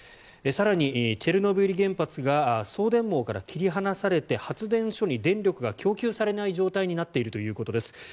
更に、チェルノブイリ原発が送電網から切り離されて発電所に電力が供給されない状態になっているということです。